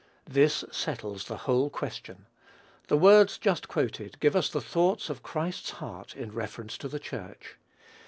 This settles the whole question. The words just quoted give us the thoughts of Christ's heart in reference to the Church.